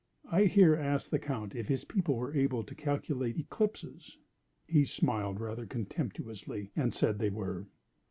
I here asked the Count if his people were able to calculate eclipses. He smiled rather contemptuously, and said they were.